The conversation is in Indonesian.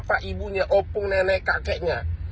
bapak ibunya opung nenek kakeknya